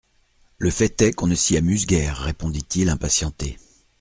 Le fait est qu'on ne s'y amuse guère, répondit-il, impatienté.